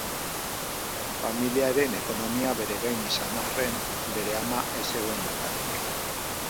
Familiaren ekonomia bere gain izan arren, bere ama ez zegoen bakarrik.